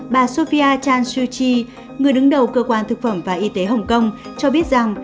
bà sophia chan shu chi người đứng đầu cơ quan thực phẩm và y tế hồng kông cho biết rằng